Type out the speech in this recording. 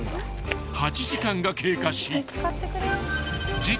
［８時間が経過し時刻は］